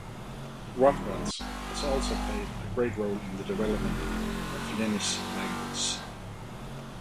"Rotwelsch" has also played a great role in the development of the Yeniche language.